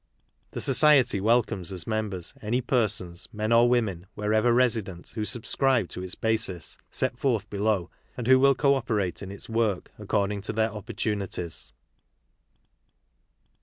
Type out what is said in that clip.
The Society welcomes as members any persons, men or women, wherever resident, who subscribe to its Basis (set forth below), and who will co operate in its work accord tag to 'their |opportumties.